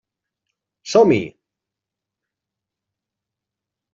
Som-hi!